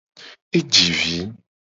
E ji vi.